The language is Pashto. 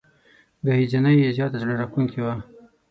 ګهیځنۍ یې زياته زړه راښکونکې وه.